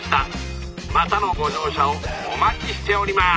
またのご乗車をお待ちしております！